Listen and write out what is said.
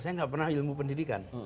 saya nggak pernah ilmu pendidikan